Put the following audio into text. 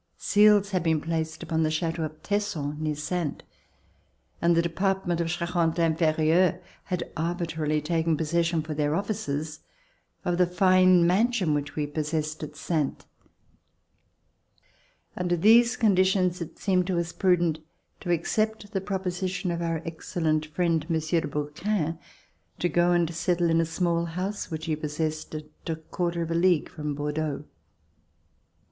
Seals had been placed upon the Chateau of Tesson near Saintes, and the Department of Cha rente Infcrieure had arbitrarily taken possession for their offices of the fine mansion which we possessed at Saintes. Under these conditions it seemed to us prudent to accept the proposition of our excellent friend, Monsieur de Brouquens, to go and settle in a small house which he possessed at a quarter of a league from Bordeaux.